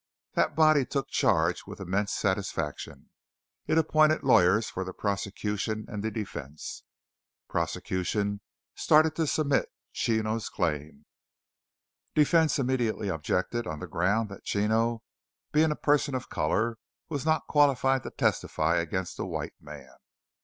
That body took charge with immense satisfaction. It appointed lawyers for the prosecution and the defence. Prosecution started to submit Chino's claim. Defence immediately objected on the ground that Chino, being a person of colour, was not qualified to testify against a white man.